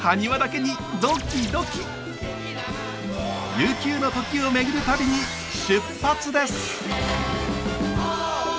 悠久の時をめぐる旅に出発です！